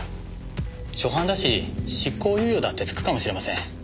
初犯だし執行猶予だってつくかもしれません。